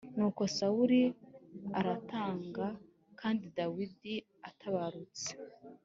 Nuko Sawuli aratanga Kandi Dawidi atabarutse